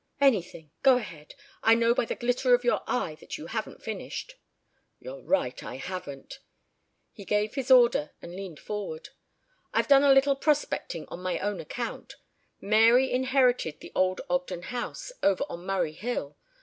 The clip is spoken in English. "Anything. Go ahead. I know by the glitter of your eye that you haven't finished." "You're right, I haven't." He gave his order and leaned forward. "I've done a little prospecting on my own account. Mary inherited the old Ogden house over on Murray Hill.